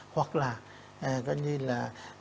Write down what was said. hoặc là gọi như là